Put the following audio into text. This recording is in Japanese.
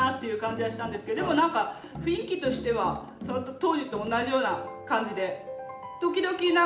でもなんか雰囲気としてはちゃんと当時と同じような感じで。